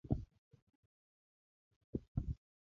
د دعا ځواک د زړۀ تسلي ده.